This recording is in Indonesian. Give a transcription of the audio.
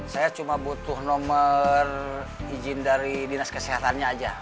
saya cuma butuh nomor izin dari dinas kesehatannya aja